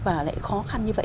và lại khó khăn như vậy